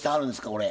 これ。